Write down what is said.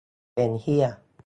"เป็นเหี้ย"